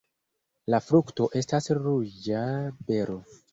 La frukto estas ruĝa bero.